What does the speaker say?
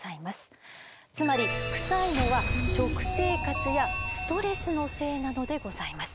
つまりクサいのは食生活やストレスのせいなのでございます。